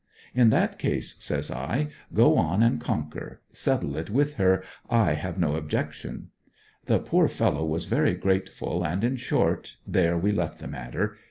"In that case," says I, "go on and conquer settle it with her I have no objection." The poor fellow was very grateful, and in short, there we left the matter.